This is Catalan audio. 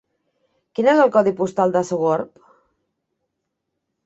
Quin és el codi postal de Sogorb?